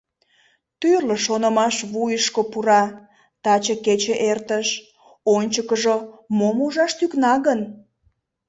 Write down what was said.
Тӱрлӧ шонымаш вуйышко пура: «Таче кече эртыш, ончыкыжо мом ужаш тӱкна гын?»